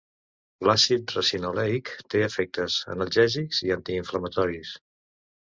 L'àcid ricinoleic té efectes analgèsics i antiinflamatoris.